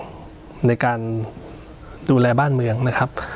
ประโยชน์ในการดูแลบ้านเมืองนะครับ